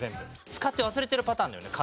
使って忘れてるパターンだよね。